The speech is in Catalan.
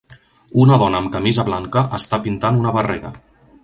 Una dona amb camisa blanca està pintant una barrera.